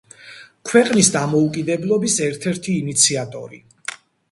ქვეყნის დამოუკიდებლობის ერთ-ერთი ინიციატორი.